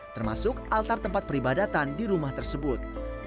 termasuk altar tempat peribadatan di rumah tersebut